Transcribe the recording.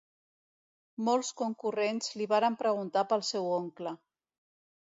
Molts concurrents li varen preguntar pel seu oncle.